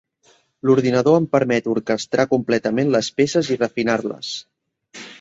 L'ordinador em permet orquestrar completament les peces i refinar-les.